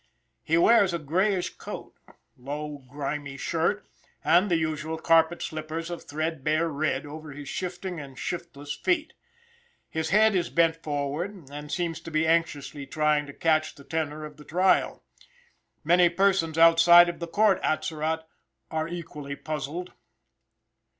He wears a grayish coat, low grimy shirt, and the usual carpet slippers of threadbare red over his shifting and shiftless feet. His head is bent forward, and seems to be anxiously trying to catch the tenor of the trial. Many persons outside of the court, Atzerott, are equally puzzled!